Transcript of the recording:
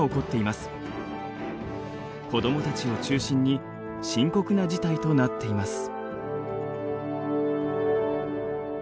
子どもたちを中心に深刻な事態となっています。